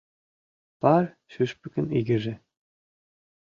Пар шӱшпыкын игыже.